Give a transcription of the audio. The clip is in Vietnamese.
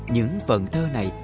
những phần thơ này